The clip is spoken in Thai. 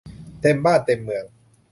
เต็มบ้านเต็มเมือง